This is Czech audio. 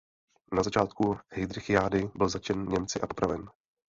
Na začátku heydrichiády byl zatčen Němci a popraven.